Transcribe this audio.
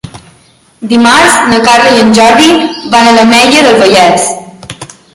Dimarts na Carla i en Jordi van a l'Ametlla del Vallès.